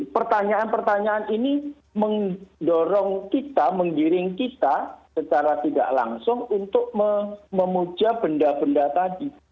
pertanyaan pertanyaan ini mendorong kita menggiring kita secara tidak langsung untuk memuja benda benda tadi